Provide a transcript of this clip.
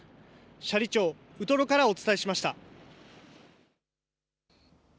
斜里町ウトロからお伝えしました。